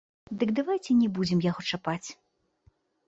Дык давайце не будзем яго чапаць.